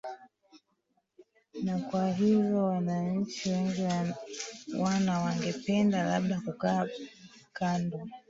na kwa hivyo wananchi wengi wana wangependa labda kukaa kando